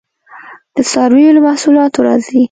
د څارویو له محصولاتو راځي